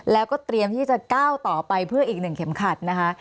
แล้วก็เตรียมที่จะก้าวต่อไปเพื่ออีก๑เข็มขัดนะคะ